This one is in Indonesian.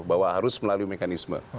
bahwa harus melalui mekanisme